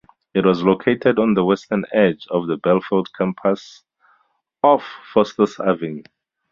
It was located on the western edge of the Belfield campus off Foster's Avenue.